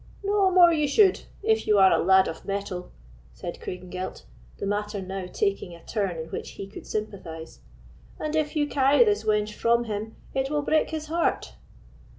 "No more you should, if you are a lad of mettle," said Craigengelt, the matter now taking a turn in which he could sympathise; "and if you carry this wench from him, it will break his heart."